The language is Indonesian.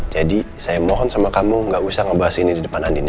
jadi saya mohon sama kamu gak usah ngebahas ini di depan andien ya